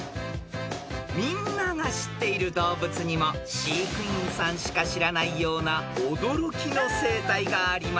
［みんなが知っている動物にも飼育員さんしか知らないような驚きの生態があります］